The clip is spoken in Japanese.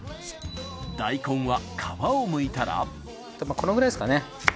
大根は皮を剥いたらこのくらいですかね。